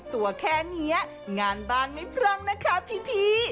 ตัวแค่นี้งานบ้านไม่พร่องนะคะพี่